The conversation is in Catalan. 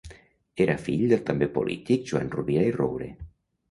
Era fill del també polític Joan Rovira i Roure.